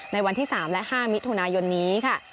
ในวันที่๓และ๕มิถุนายนนี้ค่ะ